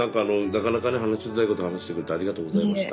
なかなかね話しづらいことを話してくれてありがとうございました。